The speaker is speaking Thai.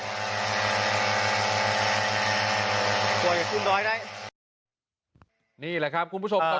กลัวอยู่ชุดดอยได้นี่แหละครับคุณผู้ชมอ่า